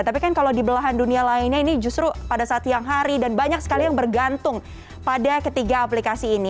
tapi kan kalau di belahan dunia lainnya ini justru pada saat yang hari dan banyak sekali yang bergantung pada ketiga aplikasi ini